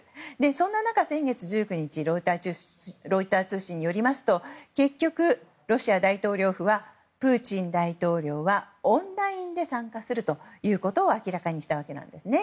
そんな中、先月１９日ロイター通信によりますと結局、ロシア大統領府はプーチン大統領はオンラインで参加すると明らかにしたわけです。